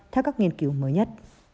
theo các nghiên cứu mới nhất